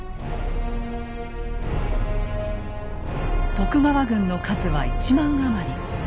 徳川軍の数は１万余り。